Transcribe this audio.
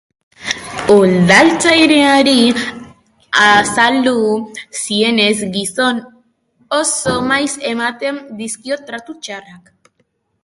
Udaltzainei azaldu zienez, gizonak oso maiz ematen dizkio tratu txarrak.